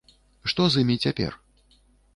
Што з імі цяпер?